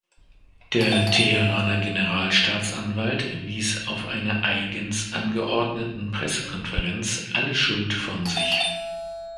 Der Teheraner Generalstaatsanwalt wies auf einer eigens angeordneten Pressekonferenz alle Schuld von sich.